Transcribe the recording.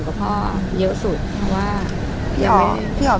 ภาษาสนิทยาลัยสุดท้าย